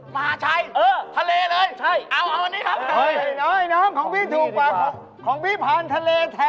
มหาชัยทะเลเลยเอานี่ครับ